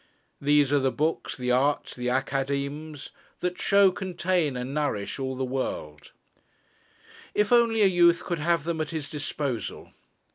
These are the books, the arts, the academes That show, contain, and nourish all the world, if only a youth could have them at his disposal.